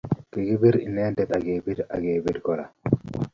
Kikibir inendet akebir akebir Kora